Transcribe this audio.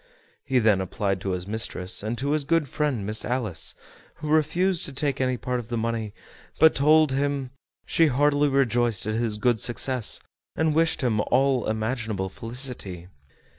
He then applied to his mistress, and to his good friend Miss Alice, who refused to take any part of the money, but told him she heartily rejoiced at his good success, and wished him all imaginable felicity.